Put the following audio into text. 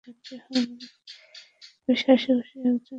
বেশ হাসিখুশি একজন খুনি মনে হচ্ছে না?